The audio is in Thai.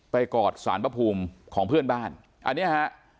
กอดสารพระภูมิของเพื่อนบ้านอันนี้ฮะ